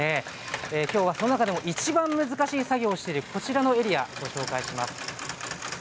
今日はその中でもいちばん難しい作業をしているこちらのエリアをご紹介します。